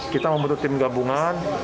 kita membentuk tim gabungan